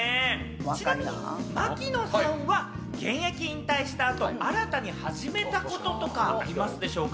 ちなみに槙野さんは現役引退した後、新たに始めたこととかはありますでしょうか？